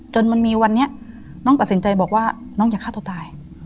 มันมีวันนี้น้องตัดสินใจบอกว่าน้องอย่าฆ่าตัวตาย